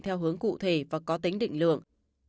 theo hướng cụ thể và có tính định lượng